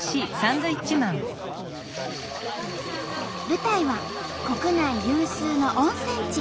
舞台は国内有数の温泉地